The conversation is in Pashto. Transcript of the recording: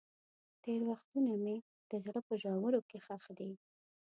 تېر وختونه مې د زړه په ژورو کې ښخ دي.